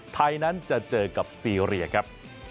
ไทยนั้นจะเจอกับซีเรียครับ